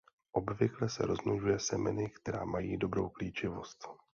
Obvykle se rozmnožuje semeny která mají dobrou klíčivost.